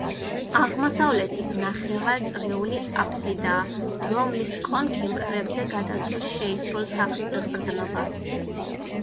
აღმოსავლეთით ნახევარწრიული აბსიდაა, რომლის კონქი მხრებზე გადასულ შეისრულ თაღს ეყრდნობა.